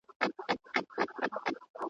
له مالدارۍ څخه کروندګرۍ ته اوښتل اسانه نه وو.